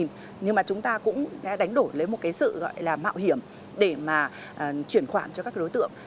nhưng mà chúng ta cũng đánh đổi lấy một cái sự gọi là mạo hiểm để mà chuyển khoản cho các đối tượng